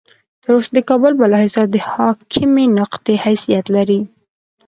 تر اوسه د کابل بالا حصار د حاکمې نقطې حیثیت لري.